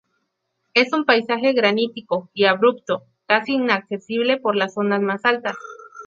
Es un paisaje granítico y abrupto, casi inaccesible por las zonas más altas.